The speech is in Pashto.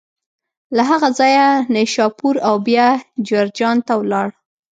له هغه ځایه نشاپور او بیا جرجان ته ولاړ.